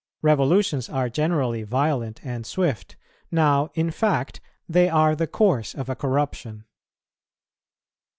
Revolutions are generally violent and swift; now, in fact, they are the course of a corruption.